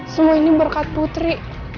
semua ini berkat putri